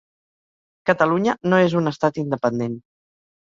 Catalunya no és un estat independent.